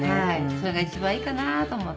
それが一番いいかなと思って。